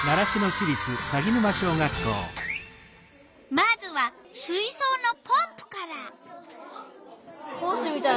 まずは水そうのポンプから。